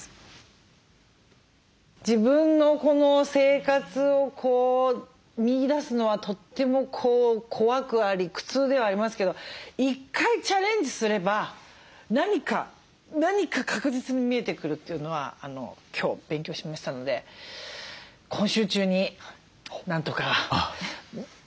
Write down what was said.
自分のこの生活を見いだすのはとっても怖くあり苦痛ではありますけど１回チャレンジすれば何か何か確実に見えてくるというのは今日勉強しましたので今週中になんとかあのこれをやりたいと。